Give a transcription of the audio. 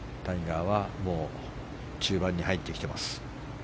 タイガーはもう中盤に入ってきています。